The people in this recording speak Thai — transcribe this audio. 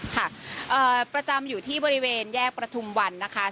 ค่ะประจำอยู่ที่บริเวณแยกประทุมวันนะคะ